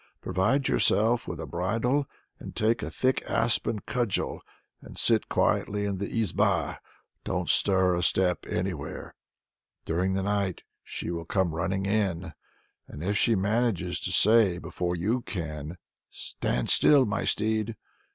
Provide yourself with a bridle, and take a thick aspen cudgel, and sit quietly in the izba don't stir a step anywhere. During the night she will come running in, and if she manages to say before you can 'Stand still, my steed!'